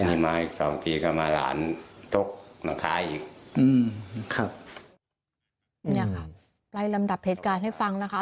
อันนี้มาอีกสองปีก็มาหลานทกมาค้าอีกอืมครับเนี่ยครับไล่ลำดับเหตุการณ์ให้ฟังนะคะ